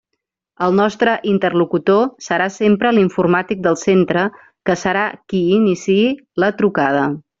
El nostre interlocutor serà sempre l'informàtic del centre que serà qui iniciï la trucada.